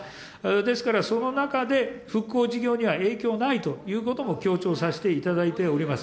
ですからその中で、復興事業には影響ないということも、強調させていただいております。